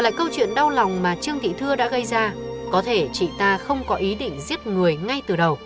qua rất nhiều chuyện đau lòng mà chương thị thưa đã gây ra có thể chị ta không có ý định giết người ngay từ đầu